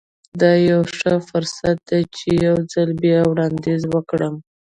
دا يو ښه فرصت دی چې يو ځل بيا وړانديز وکړم.